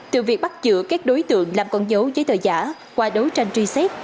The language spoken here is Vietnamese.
từ việc bắt giữ các đối tượng làm con dấu giấy tờ giả qua đấu tranh truy xét